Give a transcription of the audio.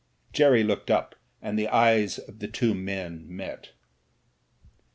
Jerry looked up, and the eyes of the two men met.